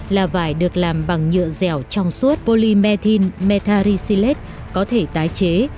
là vải được làm bằng nhựa dẻo trong suốt polymethyl metharicilate có thể tái chế